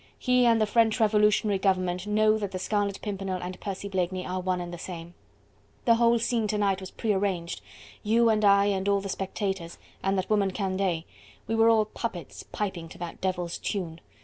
He and the French Revolutionary Government know that the Scarlet Pimpernel and Percy Blakeney are one and the same. The whole scene to night was prearranged: you and I and all the spectators, and that woman Candeille we were all puppets piping to that devil's tune.